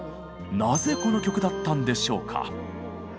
なぜこの曲だったんでしょうか？